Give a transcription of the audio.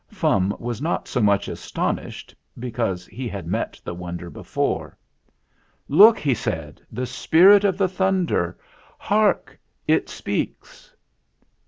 Fum was not so much astonished, because he had met the wonder before. "Look!" he said, "the Spirit of the Thunder! Hark! It speaks!"